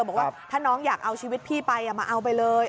บอกว่าถ้าน้องอยากเอาชีวิตพี่ไปมาเอาไปเลย